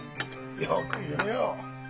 よく言うよ。